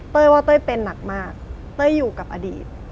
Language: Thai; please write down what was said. ว่าเต้ยเป็นหนักมากเต้ยอยู่กับอดีต